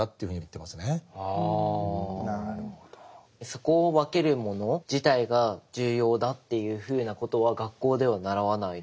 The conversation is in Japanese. そこを分けるもの自体が重要だっていうふうなことは学校では習わない。